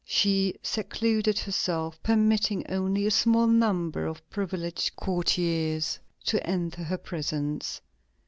She secluded herself, permitting only a small number of privileged courtiers to enter her presence.